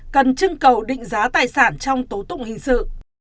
cần trưng cầu định giá tài sản trong tố tụng hình sự